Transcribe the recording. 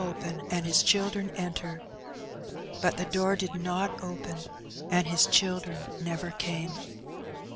open, and his children enter; but the door did not open, and his children never came.